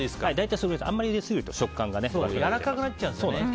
あんまり入れすぎると食感がやわらかくなっちゃうので。